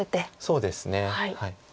そうですね。